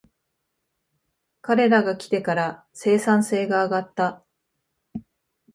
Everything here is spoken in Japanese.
彼らが来てから生産性が上がった